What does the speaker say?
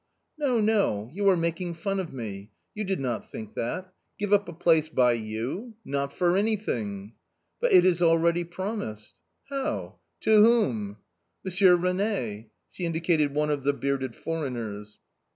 " No, no, you are making fun of me ; you did not think that ; give up a place by you — not for anything !"" But it is already promised." "How? To whom?" " M. Rene. She indicated one of the bearded foreigners.